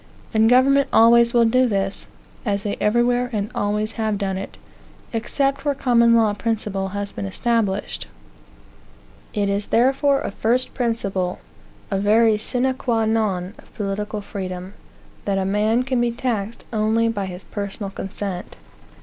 And governments always will do this, as they everywhere and always have done it, except where the Common Law principle has been established. It is therefore a first principle, a very sine qua non of political freedom, that a man can be taxed only by his personal consent.